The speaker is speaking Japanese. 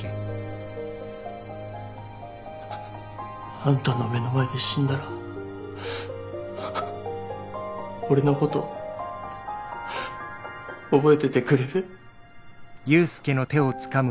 あんたの目の前で死んだら俺のこと覚えててくれる？